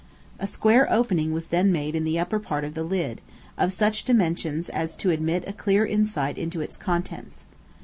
A square opening was then made in the upper part of the lid, of such dimensions as to admit a clear insight into its contents.